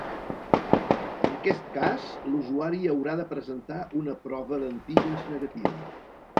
En aquest cas, l’usuari haurà de presentar una prova d’antígens negativa.